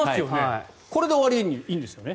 これで終わりでいいんですよね？